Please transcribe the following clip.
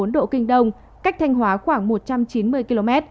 một trăm linh bảy bốn độ kinh đông cách thanh hóa khoảng một trăm chín mươi km